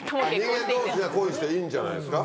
人間同士が恋していいんじゃないですか。